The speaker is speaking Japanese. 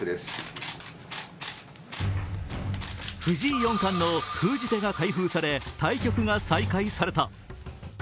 藤井四冠の封じ手が再開され、対局が再開された。